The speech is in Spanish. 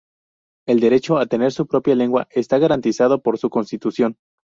El derecho a tener su propia lengua está garantizado por su constitución.